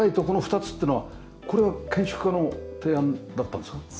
この２つっていうのはこれは建築家の提案だったんですか？